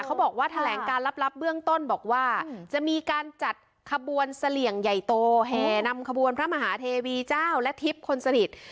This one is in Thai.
เขาบอกว่าแถลงการลับเบื้องต้นบอกว่าจะมีการจัดขบวนเสลี่ยงใหญ่โตแห่นำขบวนพระมหาเทวีเจ้าและทิพย์คนสนิท